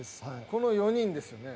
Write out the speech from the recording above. この４人ですよね。